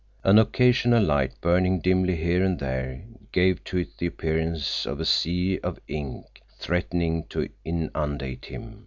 An occasional light burning dimly here and there gave to it the appearance of a sea of ink threatening to inundate him.